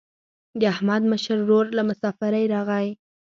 د احمد مشر ورور له مسافرۍ راغی.